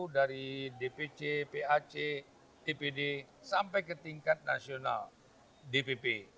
dari dpc pac dpd sampai ke tingkat nasional dpp